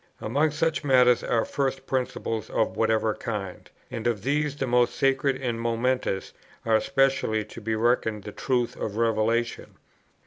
Among such matters are first principles of whatever kind; and of these the most sacred and momentous are especially to be reckoned the truths of Revelation.